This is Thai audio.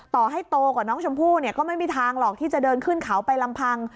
ต่อให้โตกว่าน้องชมพู่เนี่ยก็ไม่มีทางหรอกที่จะเดินขึ้นเขาไปลำพัง